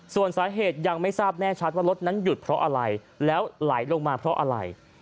ส่วนสาเหตุยังไม่ทราบแน่ชัดว่ารถนั้นหยุดเพราะอะไรแล้วไหลลงมาเพราะอะไร